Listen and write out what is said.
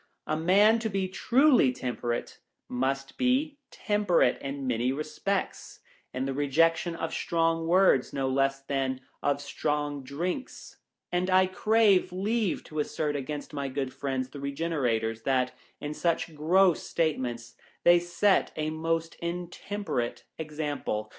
A man, to be truly temperate, must be temperate in many respects — in the rejection of strong words no less than of strong drinks — and I crave leave to assert against my good friends the Begenerators, that, in such gross state ments, they set a most intemperate example.